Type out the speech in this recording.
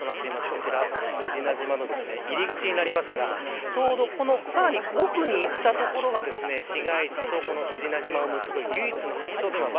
こちら宇品島の入り口になりますがちょうど、さらに奥にいった所が市街地と宇品島をつなぐ唯一の橋。